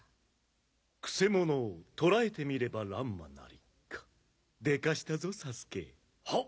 くせ者を捕らえてみれば乱馬なりかでかしたぞ佐助はっ